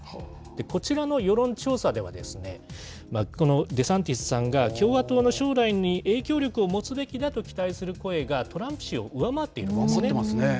こちらの世論調査では、このデサンティスさんが共和党の将来に影響力を持つべきだと期待する声がトランプ氏を上回っているんですね。